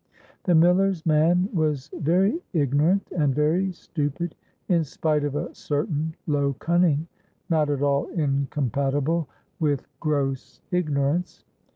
The miller's man was very ignorant and very stupid, in spite of a certain low cunning not at all incompatible with gross ignorance.